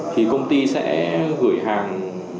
thì công ty sẽ gửi hàng